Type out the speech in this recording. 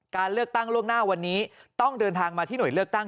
การเลือกตั้งล่วงหน้าวันนี้ต้องเดินทางมาที่หน่วยเลือกตั้ง